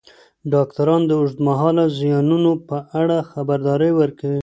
ډاکټران د اوږدمهاله زیانونو په اړه خبرداری ورکوي.